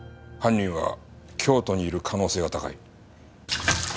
犯人は京都にいる可能性が高い。